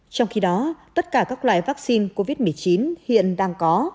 trong khi đó tất cả các loại vắc xin covid một mươi chín hiện đang có